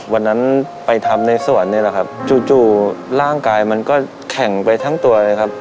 วันนั้นไปทำในสวนนี่แหละครับจู่ร่างกายมันก็แข็งไปทั้งตัวเลยครับ